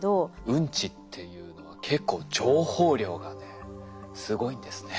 ウンチっていうのは結構情報量がねすごいんですね。